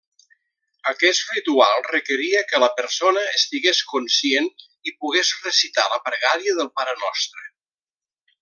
Aquest ritual requeria que la persona estigués conscient i pogués recitar la pregària del Parenostre.